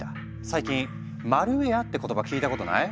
最近「マルウェア」って言葉聞いたことない？